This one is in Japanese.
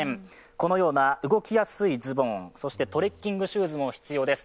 このような動きやすいズボン、そしてトレッキングシューズも必要です。